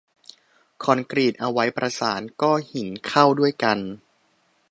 คอนกรีตเอาไว้ประสานก้อหินเข้าด้วยกัน